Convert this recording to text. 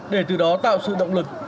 để từ đó tạo sự động lực